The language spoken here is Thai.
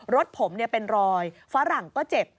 รถผมเป็นรอยฝรั่งก็เจ็บ